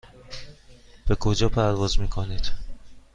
به کجا پرواز میکنید؟